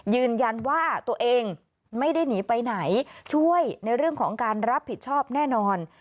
ยืนยันว่าตัวเองไม่ได้หนีไปไหนช่วยในเรื่องของการรับผิดชอบแน่นอน